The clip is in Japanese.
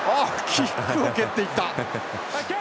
キックを蹴っていった。